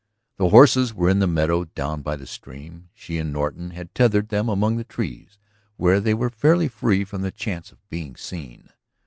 The horses were in the meadow down by the stream; she and Norton had tethered them among the trees where they were fairly free from the chance of being seen.